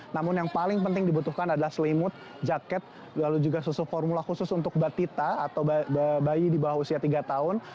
namun yang paling penting dibutuhkan adalah selimut jaket lalu juga susu formula khusus untuk batita atau bayi di bawah usia tiga tahun